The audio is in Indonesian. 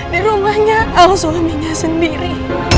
dari rumahnya atau suaminya sendiri